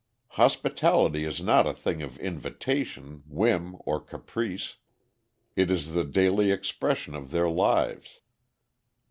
Hospitality is not a thing of invitation, whim, or caprice. It is the daily expression of their lives.